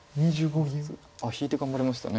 引いて頑張りました。